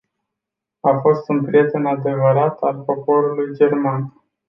A fost un prieten adevărat al poporului german.